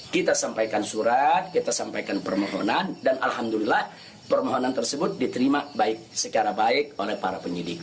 kita sampaikan surat kita sampaikan permohonan dan alhamdulillah permohonan tersebut diterima secara baik oleh para penyidik